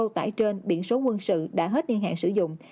tải trên biện số quân sự đã hết nhiên hạn sử dụng